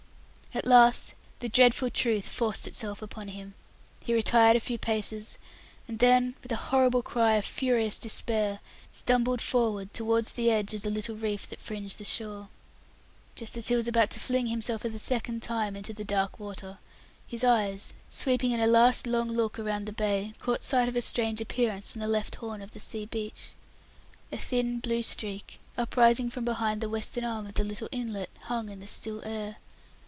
At last the dreadful truth forced itself upon him; he retired a few paces, and then, with a horrible cry of furious despair, stumbled forward towards the edge of the little reef that fringed the shore. Just as he was about to fling himself for the second time into the dark water, his eyes, sweeping in a last long look around the bay, caught sight of a strange appearance on the left horn of the sea beach. A thin, blue streak, uprising from behind the western arm of the little inlet, hung in the still air.